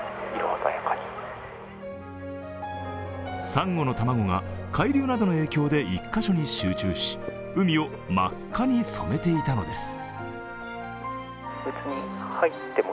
さんごの卵が海流などの影響で１カ所に集中し海を真っ赤に染めていたのです。